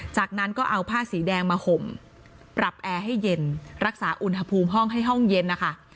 จากนั้นก็เอาผ้าสีแดงมาห่มปรับแอร์ให้เย็นรักษาอุณหภูมิห้องให้ห้องเย็นนะคะ